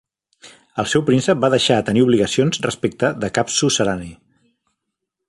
El seu príncep va deixar de tenir obligacions respecte de cap suzerani.